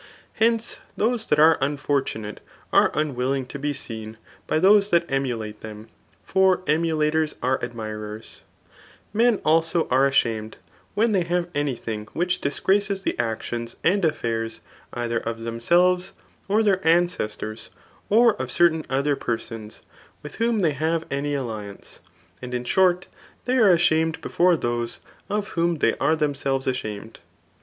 Hence» tboae that are usfixto. mm are unlKilIU^ to be aeeti by those that emidam ihtmi for emulators are adimrer& Mm aho aM ashamed wheo they have any thing which djagraces the acdona andaflwrst either of themaelvesy or of their ancest<»a» or of certain other persms, with whom they have fmf i^fiftnce ; and in ahort» they are ashamed before those of whotn they are themaelvea adhamcd.